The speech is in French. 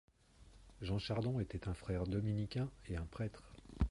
Jean Chardon était un frère dominicain et un prêtre.